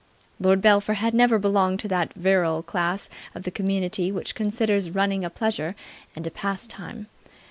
Lord Belpher had never belonged to that virile class of the community which considers running a pleasure and a pastime.